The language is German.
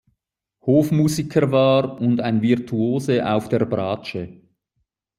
Hofmusiker war und ein Virtuose auf der Bratsche.